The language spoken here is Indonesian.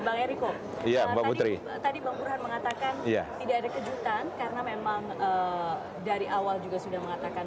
bang eriko tadi bang burhan mengatakan tidak ada kejutan karena memang dari awal juga sudah mengatakan